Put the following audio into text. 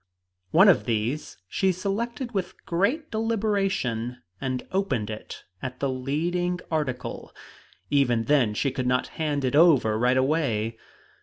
One of these she selected with great deliberation, and opened it at the leading article. Even then she would not hand it over right away.